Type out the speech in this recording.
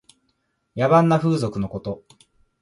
野蛮な風俗のこと。